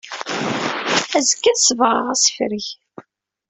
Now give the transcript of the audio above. Azekka ad sebɣeɣ asefreg.